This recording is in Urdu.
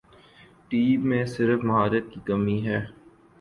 ٹیم میں صرف مہارت کی کمی ہے ۔